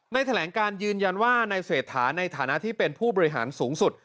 แถลงการยืนยันว่านายเศรษฐาในฐานะที่เป็นผู้บริหารสูงสุด